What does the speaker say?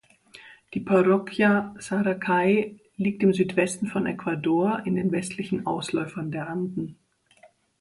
Die Parroquia Saracay liegt im Südwesten von Ecuador in den westlichen Ausläufern der Anden.